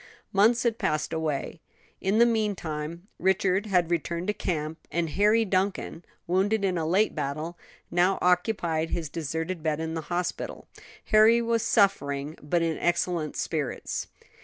Months had passed away. In the meantime Richard had returned to camp, and Harry Duncan, wounded in a late battle, now occupied his deserted bed in the hospital. Harry was suffering, but in excellent spirits.